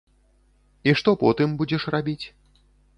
І што потым будзеш рабіць?